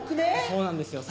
そうなんですよ。